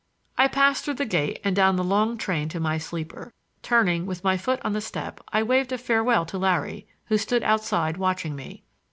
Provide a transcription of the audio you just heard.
I passed through the gate and down the long train to my sleeper. Turning, with my foot on the step, I waved a farewell to Larry, who stood outside watching me.